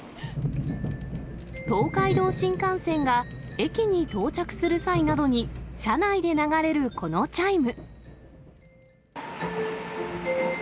東海道新幹線が駅に到着する際などに車内で流れるこのチャイム。